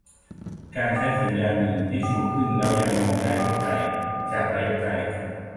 - การใช้สัญญาณมือที่ชูขึ้นแล้วยังมองได้เข้าใจจากระยะไกล